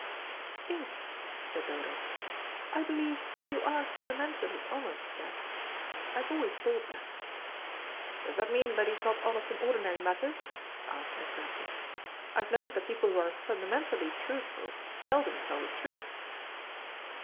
"Yes," said Dodo, "I believe you are fundamentally honest, Jack. I've always thought that." "Does that mean that he is not honest in ordinary matters?" asked Miss Grantham. "I've noticed that people who are fundamentally truthful, seldom tell the truth."